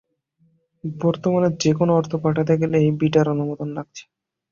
বর্তমানে যেকোনো অর্থ পাঠাতে গেলেই বিডার অনুমোদন লাগছে।